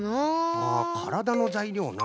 あからだのざいりょうな。